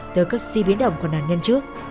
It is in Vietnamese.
tới các di biến động của nạn nhân trước